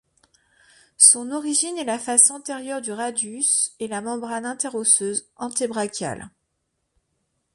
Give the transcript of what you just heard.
Son origine est la face antérieur du radius et la membrane interosseuse antébrachial.